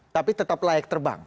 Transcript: tapi tetap layak terbang